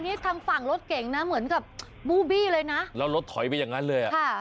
นี่ทางฝั่งรถเก่งนะเหมือนกับบู้บี้เลยนะแล้วรถถอยไปอย่างนั้นเลยอ่ะค่ะ